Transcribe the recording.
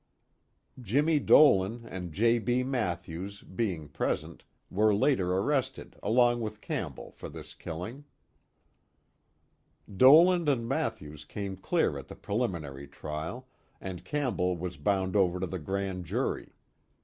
Jimmie Dolan and J. B. Mathews, being present, were later arrested, along with Campbell, for this killing. Dolan and Mathews came clear at the preliminary trial, and Campbell was bound over to the Grand Jury.